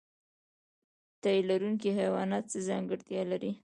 تی لرونکي حیوانات څه ځانګړتیا لري؟